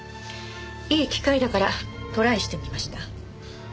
いい機会だからトライしてみました。